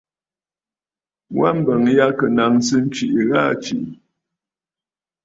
Wa mbəŋ yâ ɨ̀ kɨ nàŋsə ntwìʼi gha aa tswìʼì.